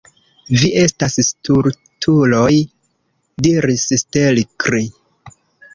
Vi estas stultuloj, diris Stelkri.